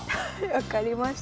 分かりました。